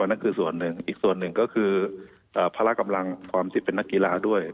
นั่นคือส่วนหนึ่งอีกส่วนหนึ่งก็คือภาระกำลังความสิทธิ์เป็นนักกีฬาด้วย